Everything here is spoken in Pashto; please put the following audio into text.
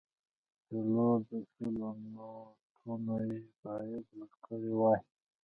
څلور د سلو نوټونه یې باید ورکړای وای.